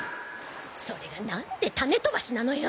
それがなんで種飛ばしなのよ！